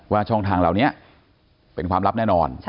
ช่องทางเหล่านี้เป็นความลับแน่นอน